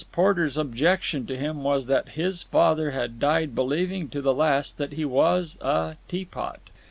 Porter's objection to him was that his father had died believing to the last that he was a teapot.